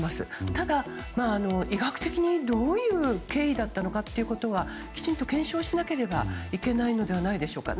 ただ、医学的にどういう経緯だったのかはきちんと検証しなければいけないのではないでしょうか。